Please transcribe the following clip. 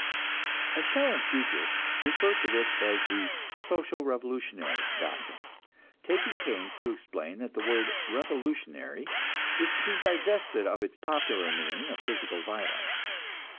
I shall in future refer to this as the "social revolutionary" doctrine; taking pains to explain that the word "revolutionary" is to be divested of its popular meaning of physical violence.